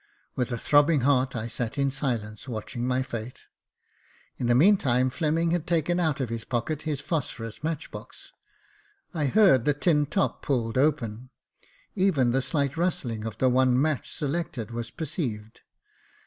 With a throbbing heart I sat in silence, watching my fate. In the meantime Fleming had taken out of his pocket his phosphorus match box. I heard the tin top pulled open — even the shght rustling of the one match selected was perceived.